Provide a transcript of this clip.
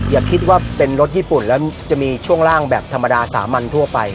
อย่าคิดว่าเป็นรถญี่ปุ่นแล้วจะมีช่วงล่างแบบธรรมดาสามัญทั่วไป